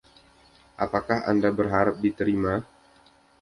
Apakah Anda berharap diterima?